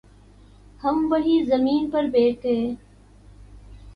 ہم وہیں زمین پر بیٹھ گ